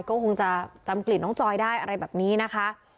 ก็คงจะจำกลิ่นน้องจอยได้อะไรแบบนี้นะคะ